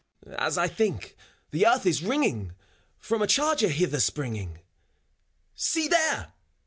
As I think, the earth is ringing • From a charger, hither springing. See there!